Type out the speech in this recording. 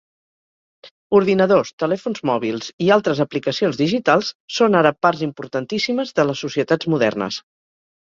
Ordinadors, telèfons mòbils i altres aplicacions digitals són ara parts importantíssimes de les societats modernes.